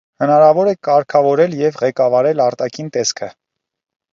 Հնարավոր է կարգավորել և ղեկավարել արտաքին տեսքը։